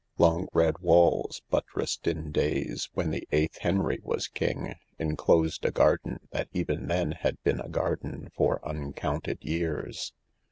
Long red walls, buttressed in days when the eight! Henry was king, enclosed a garden that even then had been a garden for uncounted years.